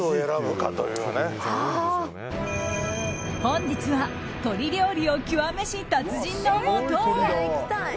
本日は鶏料理を極めし達人のもとへ。